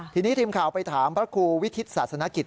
ทีนี้ทีมข่าวไปถามพระครูวิทิศศาสนกิจ